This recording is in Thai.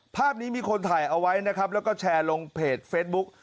ภาพนี้มีคนถ่ายเอาไว้นะครับแล้วก็แชร์ลงเพจเฟซบุ๊ก